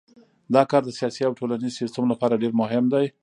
دا کار د سیاسي او ټولنیز سیستم لپاره ډیر مهم دی.